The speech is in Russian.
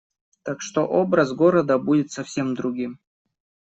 Так что образ города будет совсем другим.